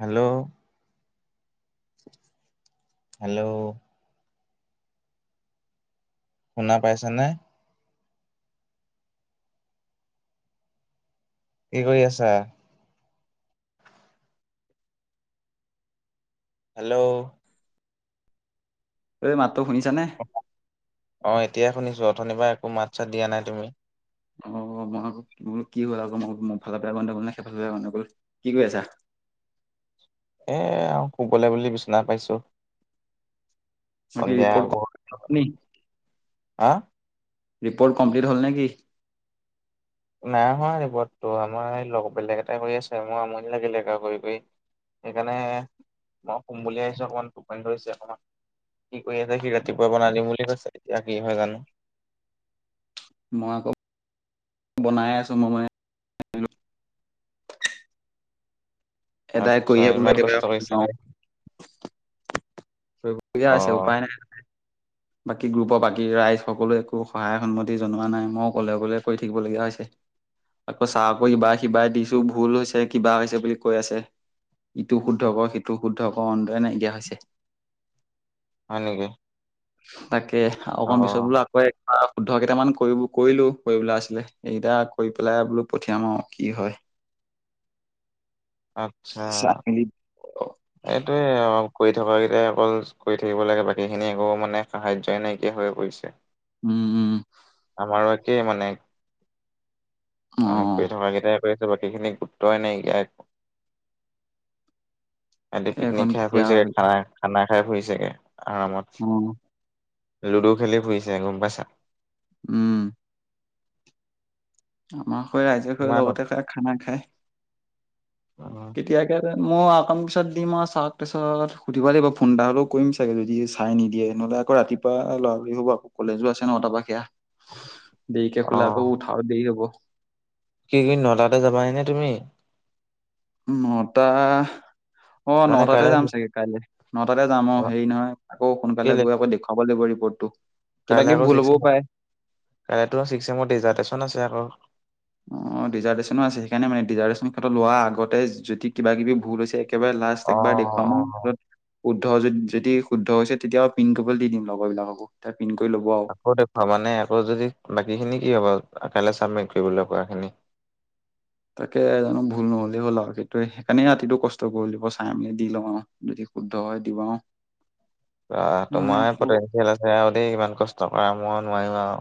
Hello hello শুনা পাইছানে কি কৰি আছা হেল্ল' ঐ মাতটো শুনিছা নে অ এতিয়া শুনিছো অথনিপা একো মাত চাত দিয়া নাই তুমি অ বহা বোল কি হ'ল আক মই মো ফালৰ পৰা গন্ধগোল নে সেই ফালৰ পৰা গণ্ডগোল কি কৰি আছা এ শুবলে বুলি বিছনা পাৰিছো মই কি সন্ধিয়া ৰিপৰ্ট আগত নি আ ৰিপৰ্ট কমপ্লিট হ'ল নে কি নাই হোৱা ৰিপৰ্টটো আমাৰ লগ বেলেগ এটা কৰি আছে মোৰ আমনি লাগি লেগে কৰি কৰি সেইকাৰণে মই শুম বুলিয়ে আহিছো অকণমান টোপনি ধৰিছে অকণমান কি কৰি আছে সি ৰাতিপুৱা বনাই দিম বুলি কৈছে এতিয়া কি হয় জানো মই আকৌ বনাই আছো মই এটাই আচ্ছা কৰিয়ে ইমান বোলে কষ্ট কৰিছা একেবাৰে কৰিব লগিয়া অ হৈছে উপায় নাই বাকী গ্ৰুপৰ বাকী ৰাইজ সকলোৱে একো সহায় সন্মতি জনোৱা নাই মই অকলে অকলে কৰি থাকিবলগীয়া হৈছে। আকৌ চাহ আকৌ ইবা সিবাৰে দিছো ভুল হৈছে কিবা হৈছে বুলি কৈ আছে ইটো শুদ্ধ কৰ সিটো শুদ্ধ কৰ অন্তয়ে নাইকিয়া হৈছে হয় নেকি তাকে অ অকণ পিছত বোলো হয় শুদ্ধ কেইটামান কৰিব কৰিলোঁ কৰিবলে আছিলে এইকেইটা কৰি পেলাই বোলো পঠিয়াম আৰু কি হয় [inaudible] আত্ছা কি চাই মেলি এইটোয়ে অ কৰি থকাকেইটাই অকল কৰি থাকিব লাগে বাকীখিনি একো মানে সাহায্যই নাইকিয়া হৈ পৰিছে। উম উম আমাৰো একেই মানে, অ আমি কৰি থকা কেইটাই ছো বাকীখিনি গুৰুত্বই নাইকীয়া। ইহঁতে এখন পিকনিক খাই কেতিয়া ফুৰিছেগে হয় খানা খানা খাই ফুৰিছে আৰামত। উম লুডু খেলি ফুৰিছে গম পাইছা। উম। আমাৰ হৈ ৰাইজে হৈ ইমান অ লগতে খাই খানা খায়। তেতিয়া সেইটোৱে মই অকণ পিছত দিম আৰু চাৰক তাৰিছত সুধিব লাগিব ফোন এটা হ'লেও কৰিম চাগে যদি চাৰে নিদিয়ে। ননেহ'লে আকৌ ৰাতি পোৱা ল'ৰা পোৱালী হুপা আকৌ কলেজো আছে ন তাৰ পৰা সেয়া। [inaudible] দেৰিকে শুলে আকৌ উঠাও দেৰি হ'ব। কি তুমি নটাতে যাবা নে তুমি? নটা অঁ, মানে নটাতে কাইলৈ যাম চাগে কাইলে নটাতে যাম অ' হেৰি নহয়, আকৌ সোনকালে কেলে গৈ আকৌ দেখ চাব লাগিব ৰিপৰ্টটো, কিবাকিবি ভুল হ'বও পাৰে। এ তোমাৰ ছিক্সেমৰ ডিজাৰ্টেশ্যন আছে আক। অঁ ডিজাৰ্টেশ্যনো আছে সেইকাৰণে মানে ডিজাৰ্টেশ্যনটো লোৱাৰ আগতে যদি কিবা কিবি ভুল হৈছে একেবাৰে লাষ্ট ত অ একবাৰ দেখুৱাম অ শুদ্ধ যদি যদি শুদ্ধ হৈছে তেতিয়া পিন কৰিবলৈ দি দিম লগৰ বিলাককো তাই পিন কৰি ল'ব আও। আকৌ দেখুৱা মানে, আকৌ যদি বাকী খিনি কি হব কাইলে চাবমিট কৰিবলৈ কৰা খিনি। তাকে জানো ভুল নহ'লেই হ'ল আৰু সেইটোৱেই সেইকাৰণেই ৰাতিটো কষ্ট কৰিলো, চাই মেলি দি লওঁ আওঁ। যদি শুদ্ধ হয় দিম আও আঁহ তোমাৰ পটেনঞ্চিয়েল আছে আৰু দেই ইমান কষ্ট কৰা, মই নোৱাৰিম আও।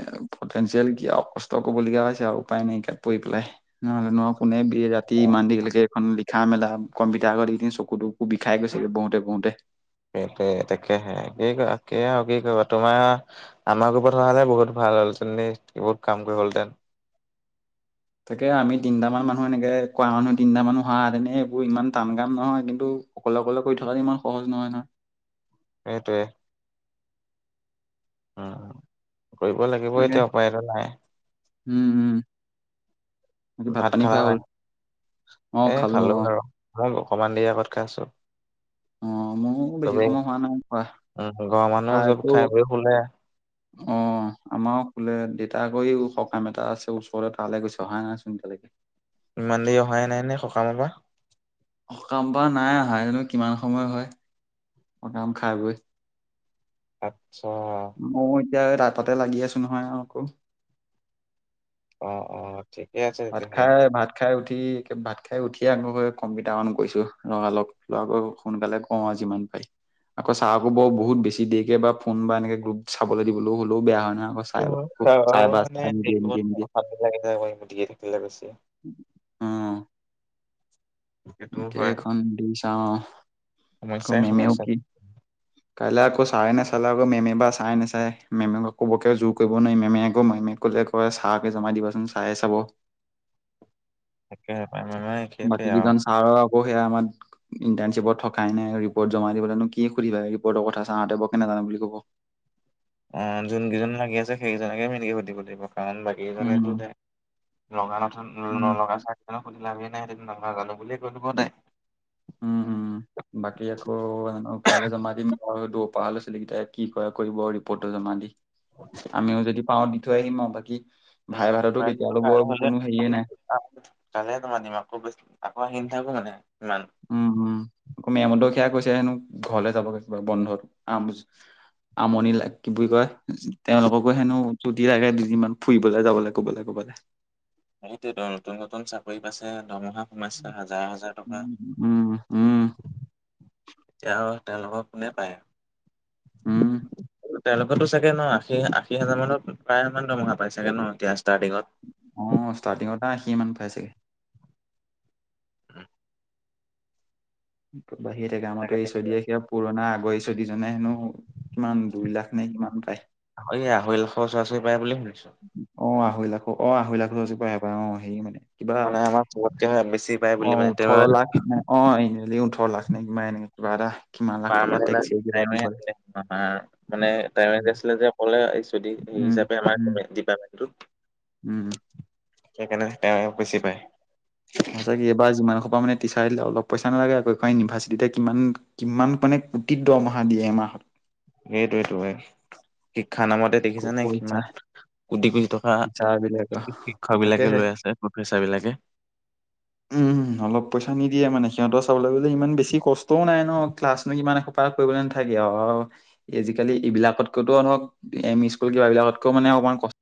এ পটেনঞ্চিয়েল কি আও কষ্ট কৰিবলগীয়া হৈছে আৰু উপায় নাইকিয়াত পৰি পেলাই, নহলে নহ কোনে এ ৰাতি ইমান দেৰিলেকে এখন লিখা মেলা কম্পিটাৰ আগত ইদিন চকু তকু বিষাই গৈছে গে বওঁতে বওঁতে সেইটোৱে তাকেহে একেইক তাকেই কি কৰিব, তোমাৰ? আমাৰ গ্ৰুপ হোৱা হলে বহুত ভাল হ'ল হেতেন দেই, বহুত কামটো কৰিব হল হেঁতেন। তাকে আমি তিনটা মান মানুহ এনেকে কৰা মানুহ তিনিটা মান অহাহেতেনে, এইবোৰ একো ইমান টান কাম নহয় কিন্তু অকলে অকলে কৰি থকাটো ইমান সহজ নহয় নহয়। সেইটোৱে। উম, কৰিব লাগিব তাকে এতিয়া উপায়টো নাই। উম, উম। কি ভাত পানী খালা খোৱা হ'ল, নাই অঁ খালো অঁ। এই অকমান দেৰি আগত খাইছোঁ। অ মোৰো বেছি চবেই, সময় হোৱা নাই খোৱা। উম, ঘৰৰ মানুহ চব খাই বৈ শুলে। অঁ আমাও শুলে। দেউতা আকৌ সকাম এটা আছে ওচৰতে তালৈ গৈছে অহা নাই চোন এতিয়ালৈকে। ইমান দেৰি অহাই নাই নে সকামৰ পৰা। সকাম পা নাই অহা জনো কিমান সময় হয়। সকাম খাই বৈ আচ্ছা ময়ো এতিয়া তাৰতাতে লাগি আছো নহয় আও আকৌ। অঁ অঁ ঠিকে আছে। ভাত তেতিয়াহ'লে খাই, ভাত খাই উঠি একে ভাত খাই উঠিয়ে আৰম্ভ কম্পিউটাৰ অন কৰিছোঁ লগা লগ। [unintelligible] সোনকালে কওঁ আৰু যিমান পাৰি। আকৌ চাহ ক'ব বহুত বেছি দেৰিকে বা ফোন বা এনেকে গ্ৰুপ চাবলৈ দিবলৈ হ'লেও বেয়া হয় ন আকৌ চাই আকৌ অ' চাই অ' বা মানে চাই নিদিয়ে নিদিয়ে নিদিয়ে [unintelligible] গতিকে থাকিবলৈ কৈছে। কেইখন দি চাও আকৌ সমস্যাই মেমেও সমস্যা কি [inaudible] কাইলৈ আকৌ চাৰে নাচালে আকৌ মেমে বা চাই নাচাই। মেমক আকৌ বৰকে জোৰ কৰিব নোৱাৰি মেমে আকৌ মেমে ক'লে কয় চাৰকে জমা দিবাচোন চাৰে চাব। একেহে পায় নে নাই? বাকী কেইজন ছাৰৰ আকৌ সেয়া মান ইণ্টাৰ্শ্বিপত থকাই নাই, ৰিপৰ্ট জমা দিবলৈনো কি সুধিবা। ৰিপৰ্টৰ কথা চাৰহতে বৰ কেনে নাজানো বুলি ক'ব। অ' যোনকেইজন লাগি আছে সেইকেইজনকে সেনেকে সুধিব দিব কাৰণ বা উম এইজনেইটোতে [unintelligible] উম চাৰক সুধি লাভেই নাই [unintelligible] উম [inaudible] উম বাকী আকৌ হেনো কাইলৈ জমা দিম [unintelligible] ছোৱালীকেইটাই কি কৰে কৰিব ৰিপৰ্টটো জমা দি। আমিও যদি পাওঁ দি থৈ আহিম আৰু বাকী ভাইভাটো ত কেতিয়া পাৰিলেতো লব কোনো হেৰীয়ে নাই। কাইলে - কাইলে তোমাৰ দিম আকৌ বেছ আকৌ আহি নাথাকো মানে ইমান। উম উম আকৌ মেম দখিয়া কৈছে হেনো ঘৰলে যাবগে বন্ধত আম আমনি লাগ কি বুলি কয় তেওঁলোককো হেনো ছুটি লাগে দুদিনমান ফুৰিবলৈ যাবলৈ কবালৈ ক'বালে। অঁ সেইটোৱেইতো, নতুন - নতুন চাকৰি পাইছে, দৰমহা সোমাইছে হাজাৰ - হাজাৰ টকা। উম উম। এতিয়া আৰু তেওঁলোকক কোনে পায়। উম। তেওঁলোকৰতো চাগে ন আশী - আশী হাজাৰ মানত প্ৰায়মান দৰমহা পাই চাগে ন এতিয়া ষ্টাৰ্টিঙত? অ, ষ্টাৰ্টিঙতে আশীমান পাই চাগে? উম বাঢ়িয়েই থাকে। আমাৰতো তাকে এইছ অ তাকে দি এ ইয়াত পুৰণা আগৰ এইচ অ দি জনে হেনো কিমান দুই লাখ নে কিমান পায়? এই আঢ়ৈ লাখৰ উচৰা - উচৰি পায় বুলি শুনিছোঁ। উ উ অ', আঢ়ৈ লাখো অ' আঢ়ৈ লাখৰ উচৰা উচৰি পাই অ', হেৰী মানে কিবা, মানে আমাৰ চবতকে বেছি পায় বুলি অ', মানে তেওঁ ওঠৰ তাৰ লাখ নে অ' হেৰী ওঠৰ লাখ নে কিবা এনে কিবা এটা কিমান লাখ পাই টকা টেক্স এৰি কিবা দিব লাগে। মানে [unintelligible] টাইম উম, আছিলে যে কলে এইচ অঁ ডি হিচাপে আমাৰ উম, এ ডীপাৰ্টমেণ্টো। উম। সেইকাৰণে তেওঁ বেছি পায়। পিছৰ কেইবাৰ যিমানসোপা মানে টিচাৰ আহিলে অলপ পইচা নালাগে আকৌ এইখন ইউনিভাৰ্চিটিতে কিমান কিমান মানে কোটিত দৰমহা দিয়ে এমাহত। এইটোৱেইটো, শিক্ষা নামতে খুব দেখিছানে পইচা কিমান কোটি - কোটি টকা টিচাৰ বিলাকৰ শি -শিক্ষকবিলাকে তাকেহে। লৈ আছে প্ৰফেচাৰবিলাকে। উম উম, অলপ পইচা নিদিয়ে মানে সিহঁতৰ চাবলৈ গলে ইমান বেছি কষ্টও নাই ন ক্লাছনো ইমান এ সো পাৰ কৰিবলৈ নাথাকে আৰু আৰু এজিকালি এইবিলাকতকৈতো ধৰক এম ই স্কুল কিবাবিলাকতকৈ মানে অকমান কষ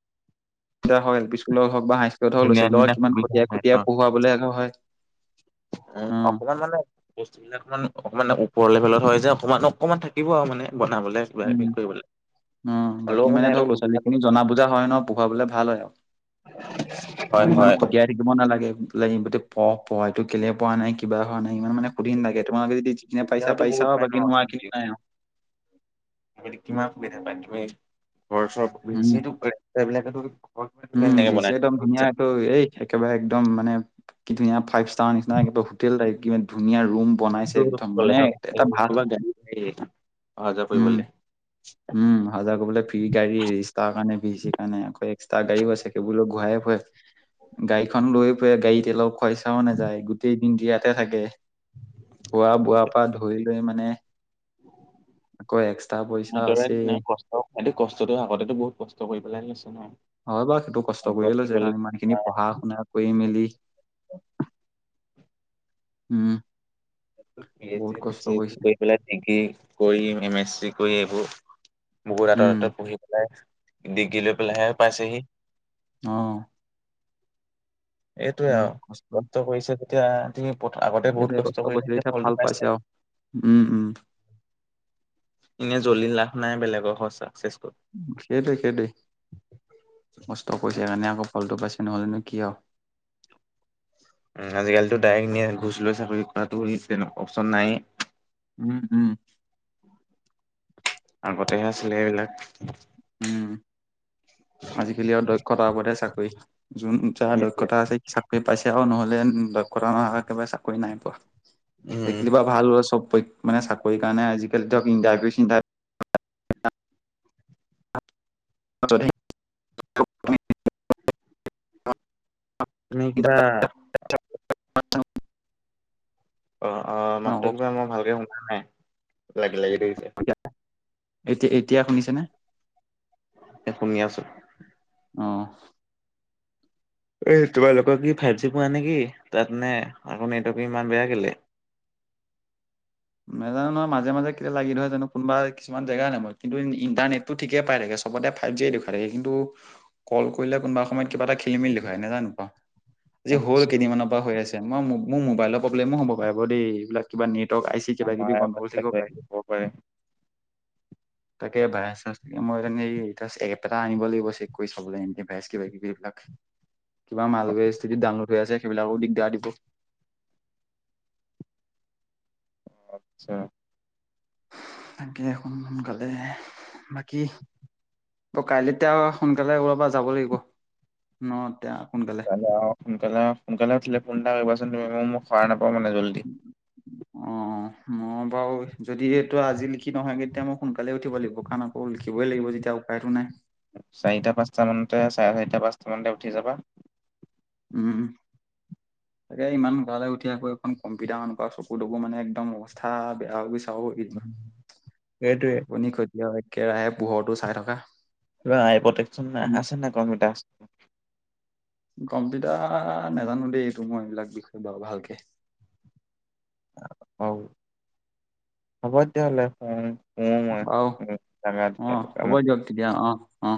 ত হয়, এল পি স্কুলত হওক বা হাই স্কুলত হওক, লৰা - ধুনীয়া ছোৱালিবিলাকৰ ধুনীয়া কিমান সুবিধা খটীয়া নাই ন খটীয়া পঢ়োৱাবলৈ আকৌ হয় উম অ' অকমান মানে বস্তুবিলাক অকণমান অকণমান ওপৰ লেভেলত হয় যে অকমান অকণমান থাকিব আৰু মানে বনাবলে। কিবাকিবা কৰিবলে। উম হ'লেও বাকী মানে এইটো ধৰক লৰা-ছোৱালী সুবিধাটো খিনি জনা বুজা হয় ন পঢ়াবলে ভাল হয় আৰু হয় ধৰক ইমান হয়। খটিয়াই থাকিব নালাগে পঢ় পঢ় এইটো কেলে পঢোৱা নাই কিবা হোৱা নাই ইমান মানে সুধি ন লাগে তোমালোকে যদি যোনে পাৰিছা সুবিধাওতো পাৰিছা বহুত পায় ন বাকি আপুনি নোৱাখিনি নাই আৰু কিমান সুবিধা পাম তুমি ঘৰ উম চৰছো ৰাস্তা বিলাকো? উম বেছি একদম ধুনীয়া এইটো এই একেবাৰে একদম মানে কি ধুনীয়া ফাইভ ষ্টাৰ নিচিনা একিবা হোটেল টাইপ কিমান ধুনীয়া ৰুম? ত বনাইছে একদম মানে কলেজত এটা ভাল বা গাড়ী গাড়ী অহা যোৱা উম। কৰিবলে উম হাজাৰ কৰিবলৈ ফ্ৰী গাড়ী ৰিষ্টাৰ কাৰণে ভি চিৰ কাৰণে আকৌ এক্সট্ৰা গাড়ীও আছে সেইবোৰ ঘূৰায় ফুৰে। গাড়ীখন লৈ ফুৰে গাড়ীতেলৰ খুৱইচাও নাযায় গোটেই দিনটো ইয়াতে থাকে। খোৱা বোৱাৰ পৰা ধৰি লৈ মানে আকৌ এক সদৰে কষ্ট টো কষ্টটো আগতে বহুত কষ্ট কৰি পেলাই লৈছে ঋঋ নহ। হয় বা সেইটো কষ্ট কৰি লৈছে কাৰণে ইমানখিনি পঢ়া। পঢ়া শুনাত কৰি মেলি উম। [inaudible] বহুত কষ্ট কৰিছে ডিগ্ৰী কৰি এম এছ চি কৰি এইবোৰ বহুত উম, আঁতৰঁত পঢ়ি পেলাই ডিগ্ৰী লৈ বিলাই পাইচেহি। অ, এইটোৱে আৰু কষ্ট কৰিছে যেতিয়া। তুমি আগতে সেইটোৱে বহুত কষ্ট কৰিলো কৰিছিলে এতিয়া ভাল ফলটো পাইছে পাছে। আৰু উম উম এনে জ্বলি লাভ নাই বেলেগৰ ঘৰত চাকচেফুল। সেইটোৱে সেইটোৱ কষ্ট কৰিছে সেইকাৰণে আকৌ ফলটো পাইছে নহ'লেনো কি? আৰু আজিকালিতো ডাইৰেক্ট ন ঘোচ লৈ চাকৰি কৰাতো তেনেকুৱা অপশচন নাই। উম উম। আগতেহে আছিলে এইবিলাক। উম আজিকালি আৰু দক্ষতা ওপৰতে চাকৰি যোন যাৰ দক্ষতা আছে সি চাকৰি পাইছে আৰু নহলে কৰা দক্ষতা নহ একবাৰে চাকৰি নাই পোৱা। উম সেখিলি বাৰু ভাল হ'ল চব মানে চাকৰি কাৰণে আজিকালি ধৰক ইটাৰভিউ চিন্তাবিউ [unintelligible] তুমি কিবা? অ অ মাতটো কিবা মই ভালকে সোমাই নাই লাগি লাগি ধৰিছে। এতিয়া এতিয়া শুনিছে নে? শুনি আছো। অ, এই তোমালোকৰ কি ফাইভ জি পোৱা নেকি তাত নে আকৌ নেটৱৰ্ক ইমান বেয়া কেলে? নাজানো নহয় মাজে মাজে কেতিয়া লাগি ধৰ জানো কোনোবা মান জেগা নহয় কিন্তু ইণ্টাৰনেট- টো ঠিকে পাই থাকে সবতে ফাইভ জিয়ে দেখা থাকে কিন্তু কল কৰিলে কোনোবা সময়ত কিবা এটা খেলি মেলি দেখুৱাই নোজানো পা আজি হ'ল কেইদিনমানৰ পৰা হৈ আছে। মই মোবাইলৰ প্ৰব্লেমো হব পাৰে বাৰ দেই এইবাক কিবা নেটৱৰ্ক আই চি কিবা কিবি বন্ধ কৰিল থাকিব পাৰে। তাকে ভাইৰাছ চে মই মান এই এপ এটা আনিব লাগিব চেক কৰি চাবলৈ ভাইৰাছ কিবা কিবি এইবিলাক [unintelligible] কিবা মালবী স্থিতিত ডাঙনলোড হৈ আছে সেইবিলাকো দিগদাৰ দিব আচ্ছা তাকে তো সোনকালে বাকী অ কাইলৈতি সোনকালে ওলাৱা পৰা যাব লাগিব ন তে সোনকালে কাইলে সোনকালে সোনকালে উঠিলে ফোন এটা কৰিবাচোন তুমি ম মোক সৰা নাপাওঁ মানে জল্দি অঁ অঁ মই বাৰু যদি এইটো আজি লিখি নহয় কেতিয়া মই সোনকালে উঠিব লাগিব আমাকৈ আকৌ লিখিবই লাগিব যেতিয়া উপায়টো নাই চাৰিটা পাঁচটা মানতে চাৰে চাৰিটা পাঁচটা মানতে উঠি যাবা উম উম তাকে ইমান ঘৰলৈ উঠি আকৌ এখন কম্পিটাৰ মানকুৱা চকু তকু মানে একদম অৱস্থা বেয়া হৈ গৈছে সেইটোৱে চ টোপনি কতি কেৰাহে পোহৰটো চাই থকা কিব আইটেকন আছে না কৰ্মা আ গম্পিতা নাজানো দেই এইটো মই এইবিলাক বিষয়ে বাৰু ভালকে অ হ'ব তেতিয়াহ'লে শুও মই অও উম, জাগা অ তেতিয়ালৈকে হ'ব মই। দিয়ক তেতিয়া অ অ